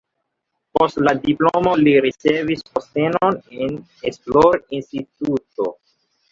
Post la diplomo li ricevis postenon en esplorinstituto.